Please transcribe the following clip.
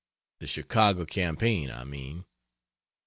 The Chicago campaign, I mean.